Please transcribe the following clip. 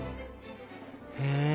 へえ。